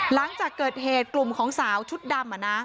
หลังจากเกิดเหตุกลุ่มของสาวชุดดำ